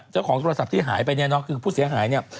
เจ้าของโทรศัพท์ที่หายไปเนี่ยเนาะคือผู้เสียหายเนี่ย